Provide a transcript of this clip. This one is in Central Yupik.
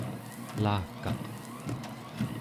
elakaq